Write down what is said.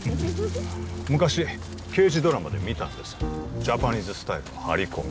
昔刑事ドラマで見たんですジャパニーズスタイルの張り込み